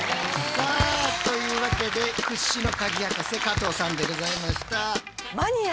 さあというわけで屈指のカギ博士加藤さんでございました。